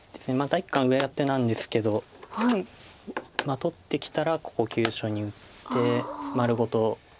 第一感は上アテなんですけど取ってきたらここ急所に打って丸ごと。